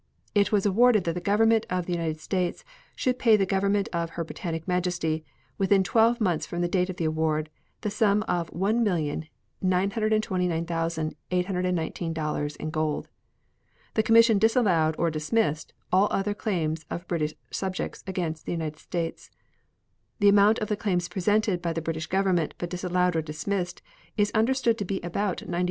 It was awarded that the Government of the United States should pay to the Government of Her Britannic Majesty, within twelve months from the date of the award, the sum of $1,929,819 in gold. The commission disallowed or dismissed all other claims of British subjects against the United States. The amount of the claims presented by the British Government, but disallowed or dismissed, is understood to be about $93,000,000.